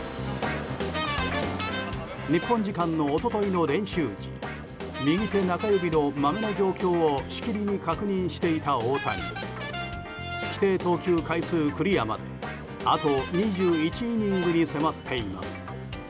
日本時間の一昨日の練習時右手中指のマメの状況をしきりに確認していた大谷規定投球回数クリアまであと２１イニングに迫っています。